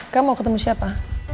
kamu mau ketemu siapa